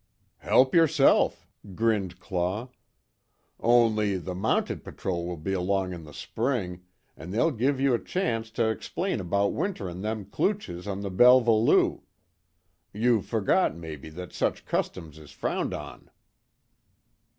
"Help yerself," grinned Claw, "Only, the Mounted patrol will be along in the spring, an' they'll give you a chanct to explain about winterin' them klooches on the Belva Lou. You've forgot, mebbe, that such customs is frowned on."